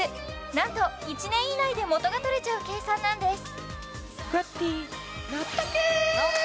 なんと１年以内で元がとれちゃう計算なんです